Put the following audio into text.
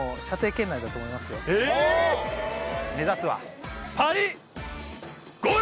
目指すは。